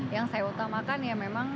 yang saya utamakan ya memang